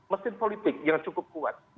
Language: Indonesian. mesin politik yang cukup kuat